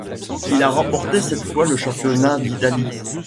Il a remporté sept fois le championnat d'Italie.